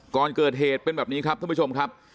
ก่อนเกิดเหตุเป็นแบบนี้ครับท่านผู้ชมครับ